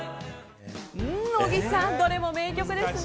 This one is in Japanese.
小木さん、どれも名曲ですね。